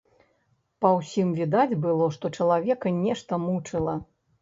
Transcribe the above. Па ўсім відаць было, што чалавека нешта мучыла.